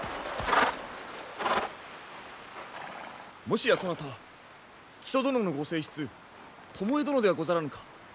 もしやそなた木曽殿のご正室巴殿ではござらぬか？